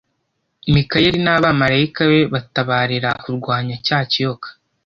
Mikayeli n’abamarayika be batabarira kurwanya cya kiyoka,